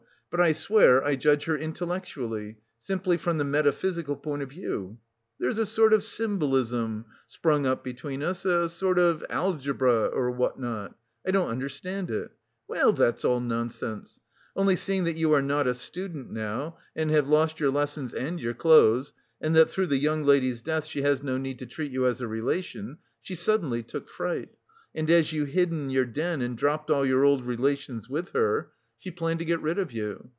But I swear I judge her intellectually, simply from the metaphysical point of view; there is a sort of symbolism sprung up between us, a sort of algebra or what not! I don't understand it! Well, that's all nonsense. Only, seeing that you are not a student now and have lost your lessons and your clothes, and that through the young lady's death she has no need to treat you as a relation, she suddenly took fright; and as you hid in your den and dropped all your old relations with her, she planned to get rid of you.